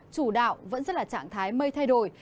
chủ đạo vẫn sẽ là trạng thái mây thay đổi